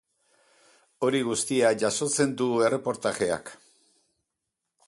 Hori guztia jasotzen du erreportajeak.